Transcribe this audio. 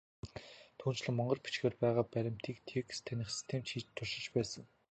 Түүнчлэн, монгол бичгээр байгаа баримтыг текст таних систем ч хийж туршиж байсан.